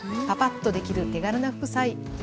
パパッとできる手軽な副菜